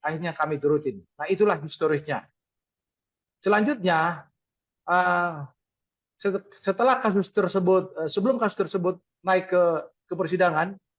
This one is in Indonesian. yang kami memberikan semua dari door pengterangan